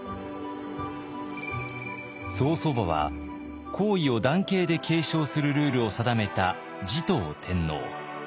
曽祖母は皇位を男系で継承するルールを定めた持統天皇。